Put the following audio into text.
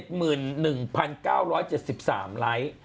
คนไลท์๗๑๙๗๓ไลท์